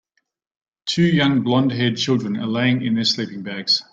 Two young blondhaired children are laying in their sleeping bags.